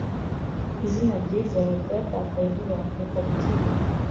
izina ryiza ryatakaye vuba kuruta gutsinda.